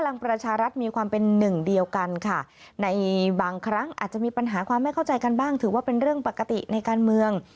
ในบางครั้งอาจจะมีปัญหาความไม่เข้าใจกันบ้างถือว่าเป็นการปกติในการเมือง